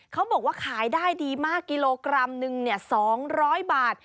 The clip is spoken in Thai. เขาบอกว่าขายได้ดีมากกิโลกรัมหนึ่ง๒๐๐บาท